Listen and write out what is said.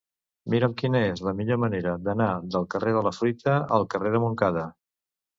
Mira'm quina és la millor manera d'anar del carrer de la Fruita al carrer de Montcada.